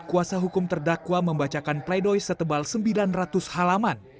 kuasa hukum terdakwa membacakan pleidoy setebal sembilan ratus halaman